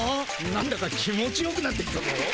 なんだか気持ちよくなってきたぞ。